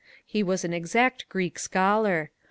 He was an exact Greek scholar.